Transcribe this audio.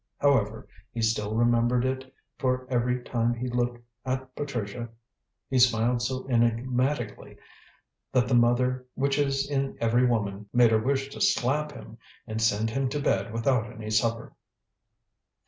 However, he still remembered it, for every time he looked at Patricia he smiled so enigmatically that the mother which is in every woman made her wish to slap him and send him to bed without any supper.